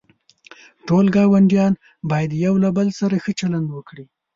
ټول گاونډیان باید یوله بل سره ښه چلند وکړي.